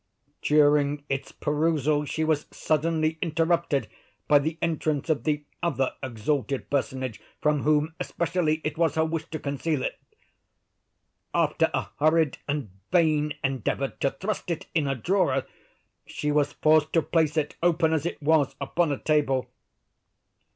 During its perusal she was suddenly interrupted by the entrance of the other exalted personage from whom especially it was her wish to conceal it. After a hurried and vain endeavor to thrust it in a drawer, she was forced to place it, open as it was, upon a table.